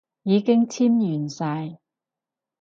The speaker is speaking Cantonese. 已經簽完晒